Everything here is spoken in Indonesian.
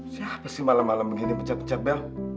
siapa sih malam malam begini pencet pencet bel